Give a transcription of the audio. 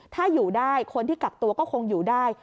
ถ้าอยู่ได้คนที่กักตัวก็คงอยู่ได้